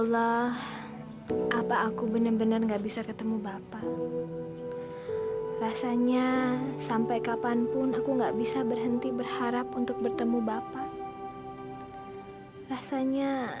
sampai jumpa di video selanjutnya